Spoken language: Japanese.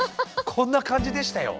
こんな感じでしたよ。